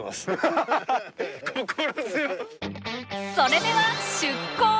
それでは出港！